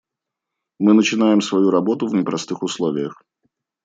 Мы начинаем свою работу в непростых условиях.